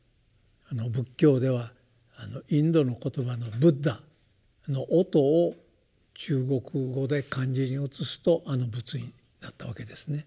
仏教ではインドの言葉のブッダの音を中国語で漢字に写すとあの仏になったわけですね。